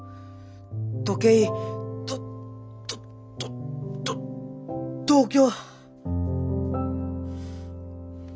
時計。とととと東京。